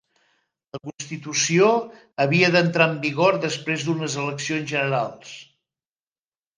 La constitució havia d'entrar en vigor després d'unes eleccions generals.